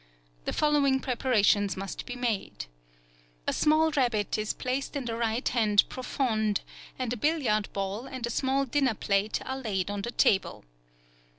The following preparations must be made: A small rabbit is placed in the right hand profonde, and a billiard ball and a small dinner plate are laid on the table.